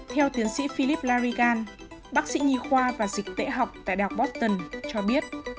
theo tiến sĩ philip larigan bác sĩ nhi khoa và dịch tễ học tại đại học boston cho biết